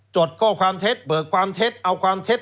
ดข้อความเท็จเบิกความเท็จเอาความเท็จ